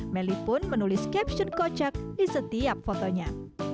melly pun menulis caption kocak di setiap fotonya